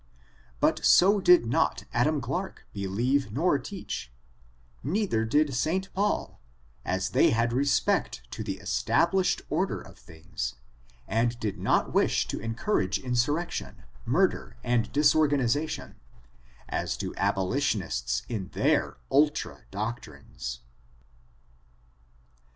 But so did not Adam Clarke believe nor teach, neith er did St. Paul, as they had respect to the established order of things, and did not wish to encourage insur rection, murder and disorganization, as do abolition ists in their ultra doctrines.